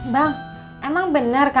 bang emang bener kan